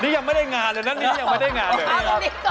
นี่ยังไม่ได้งานเลยนะเอาตรงนี้ก่อน